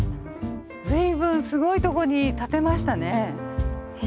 ずいぶんすごいとこに建てましたね。